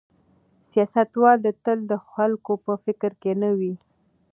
سیاستوال تل د خلکو په فکر کې نه وي.